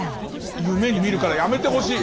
夢に見るからやめてほしい。